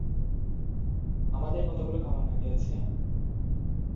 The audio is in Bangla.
আমাদের কতগুলো কামান বাকি আছে?